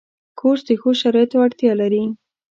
کورس د ښو شرایطو اړتیا لري.